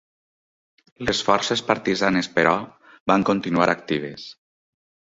Les forces partisanes, però, van continuar actives.